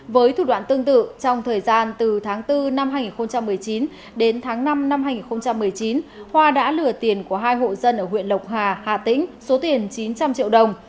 với thủ đoạn tương tự trong thời gian từ tháng bốn năm hai nghìn một mươi chín đến tháng năm năm hai nghìn một mươi chín hoa đã lừa tiền của hai hộ dân ở huyện lộc hà hà tĩnh số tiền chín trăm linh triệu đồng